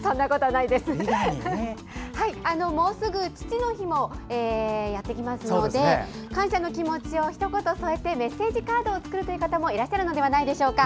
もうすぐ父の日もやってきますので感謝の気持ちをひと言添えてメッセージカードを作るという方もいらっしゃるのではないでしょうか。